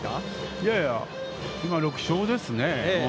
いやいや、今６勝ですね。